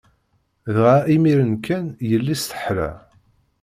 Dɣa, imiren kan, yelli-s teḥla.